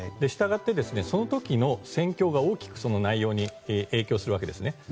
したがって、その時の戦況が大きく内容に影響するわけです。